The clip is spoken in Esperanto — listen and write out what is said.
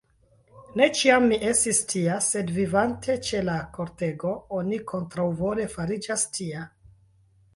Ne ĉiam mi estis tia; sed, vivante ĉe la kortego, oni kontraŭvole fariĝas tia.